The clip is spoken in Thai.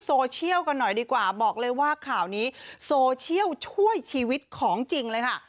โซเชียลกันหน่อยดีกว่าบอกเลยว่าข่าวนี้โซเชียลช่วยชีวิตของจริงเลยค่ะ